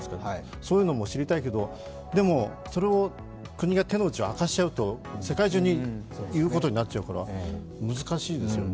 そういうのも知りたいけどでも、それを国が手の内を明かしちゃうと世界中に言うことになっちゃうから難しいですよね。